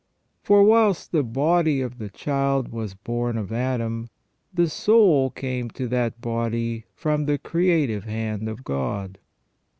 For whilst the body of the child was born of Adam, the soul came to that body from the creative hand of God.